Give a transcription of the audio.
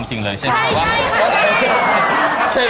มาดูว่าจะอร่อยเด็ดขนาดไหน